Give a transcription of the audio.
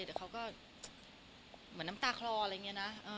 แต่เขาก็เหมือนน้ำตาคลออะไรอย่างนี้นะ